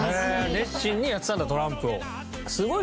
熱心にやってたんだトランプを。